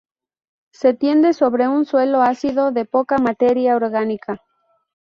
Se tiende sobre un suelo ácido, de poca materia orgánica.